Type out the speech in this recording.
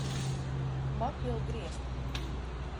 Man pil griesti!